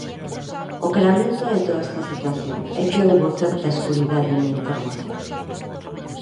O que lamento de toda esta situación é que houbo certa escuridade na información.